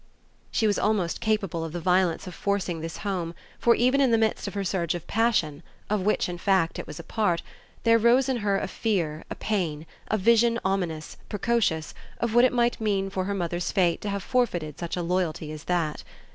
She was almost capable of the violence of forcing this home, for even in the midst of her surge of passion of which in fact it was a part there rose in her a fear, a pain, a vision ominous, precocious, of what it might mean for her mother's fate to have forfeited such a loyalty as that.